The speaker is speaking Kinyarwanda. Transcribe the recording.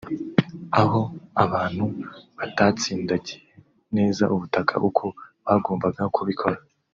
aho abantu batatsindagiye neza ubutaka uko bagombaga kubikora